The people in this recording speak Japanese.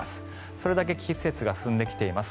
それだけ季節が進んできています。